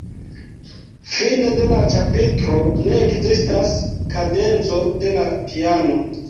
Fine de la ĉapitro ne ekzistas kadenco de la piano.